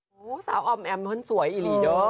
โอ้โฮสาวอ๋อมแหมมเหิ้นสวยอีหลีเจ้า